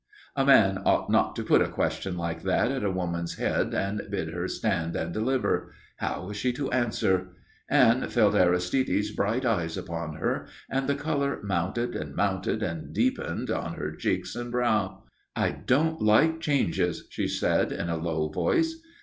A man ought not to put a question like that at a woman's head and bid her stand and deliver. How is she to answer? Anne felt Aristide's bright eyes upon her and the colour mounted and mounted and deepened on her cheeks and brow. "I don't like changes," she said in a low voice.